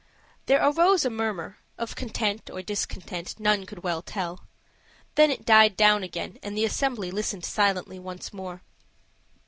There arose a murmur of content or discontent none could well tell; then it died down again, and the assembly listened silently once more.